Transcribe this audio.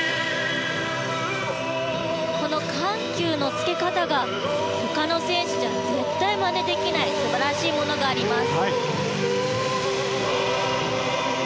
この緩急のつけ方が他の選手じゃ絶対まねできない素晴らしいものがあります。